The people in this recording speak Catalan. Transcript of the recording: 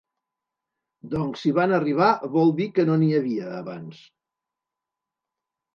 Doncs si van arribar vol dir que no n'hi havia, abans.